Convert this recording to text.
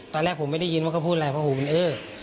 ตอนแรกผมไม่ได้ยินว่าเขาพูดอะไรเพราะหูเป็นเออ